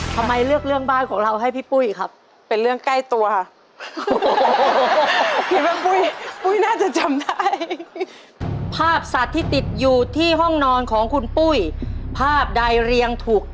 โปรดติดตามตอนต่อไป